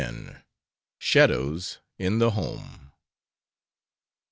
SHADOWS IN THE HOME.